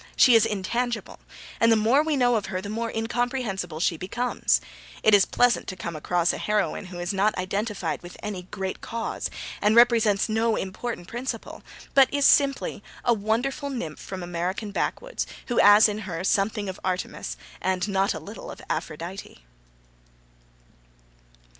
She is intangible, and the more we know of her, the more incomprehensible she becomes. It is pleasant to come across a heroine who is not identified with any great cause, and represents no important principle, but is simply a wonderful nymph from American backwoods, who has in her something of Artemis, and not a little of Aphrodite.